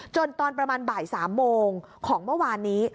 ตอนประมาณบ่าย๓โมงของเมื่อวานนี้